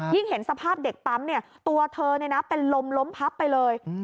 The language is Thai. เห็นสภาพเด็กปั๊มตัวเธอเป็นลมล้มพับไปเลย